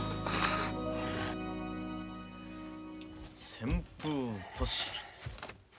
「旋風都市」。